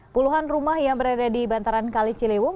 puluhan rumah yang berada di bantaran kaliciliwung